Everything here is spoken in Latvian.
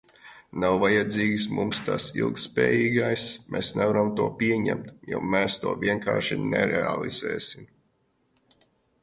Nav vajadzīgs mums tas ilgtspējīgais, mēs nevaram to pieņemt, jo mēs to vienkārši nerealizēsim.